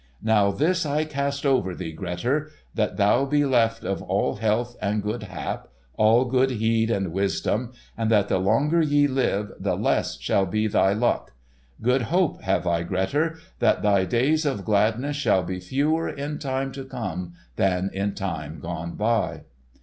Now this I cast over thee, Grettir; that thou be left of all health and good hap, all good heed and wisdom, and that the longer ye live the less shall be thy luck. Good hope have I, Grettir, that thy days of gladness shall be fewer in time to come than in time gone by."